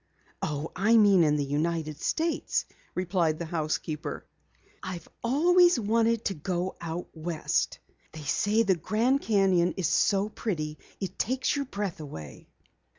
"Oh, I mean in the United States," replied the housekeeper. "I've always wanted to go out West. They say the Grand Canyon is so pretty it takes your breath away."